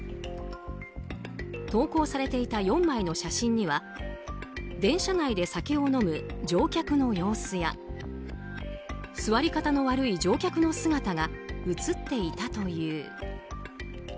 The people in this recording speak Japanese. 投稿されていた４枚の写真には電車内で酒を飲む乗客の様子や座り方の悪い乗客の姿が写っていたという。